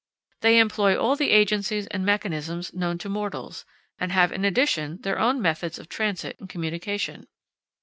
They employ all the agencies and mechanisms known to mortals, and have in addition their own methods of transit and communication.